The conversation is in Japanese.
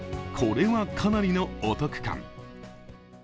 これはかなりのお得感。